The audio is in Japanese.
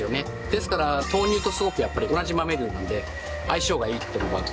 ですから豆乳とすごくやっぱり同じ豆類なので相性がいいっていうのが。